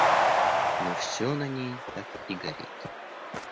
Но все на ней так и горит.